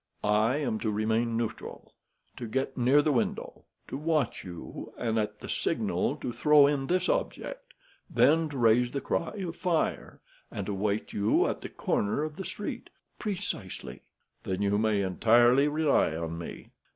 "I am to remain neutral, to get near the window, to watch you, and, at the signal, to throw in this object, then to raise the cry of fire and to wait you at the corner of the street." "Precisely." "Then you may entirely rely on me."